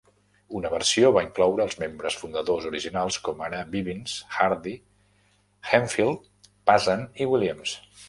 Una versió va incloure els membres fundadors originals com ara Bivins, Hardy, Hemphill, Pazant i Williams.